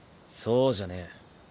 そうじゃねぇ。